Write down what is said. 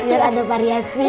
biar ada variasi